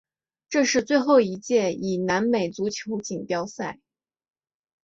这是最后一届以南美足球锦标赛。